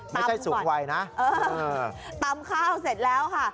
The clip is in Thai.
ไม่ใช่สูงวัยนะตำข้าวเสร็จแล้วค่ะ